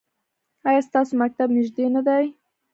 ایا ستاسو مکتب نږدې نه دی؟